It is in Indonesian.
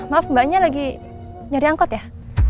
maaf mbaknya lagi nyari angkot ya